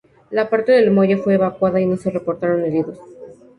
La parte del muelle fue evacuada y no se reportaron heridos.